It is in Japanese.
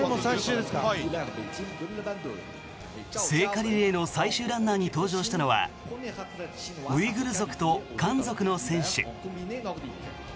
聖火リレーの最終ランナーに登場したのはウイグル族と漢族の選手。